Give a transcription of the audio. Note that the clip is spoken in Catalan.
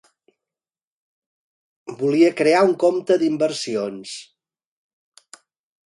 Volia crear un compte d'inversions.